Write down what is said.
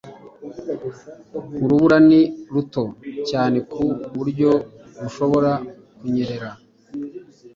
Urubura ni ruto cyane ku buryo rushobora kunyerera